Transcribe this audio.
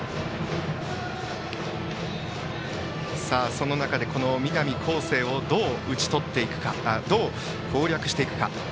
その中で南恒誠をどう攻略していくか。